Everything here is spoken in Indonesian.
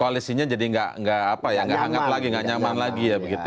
koalisinya jadi nggak apa ya nggak nyaman lagi ya